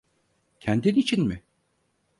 Kendin için mi?